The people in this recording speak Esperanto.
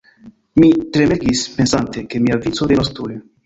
Mi tremegis pensante, ke mia vico venos tuj.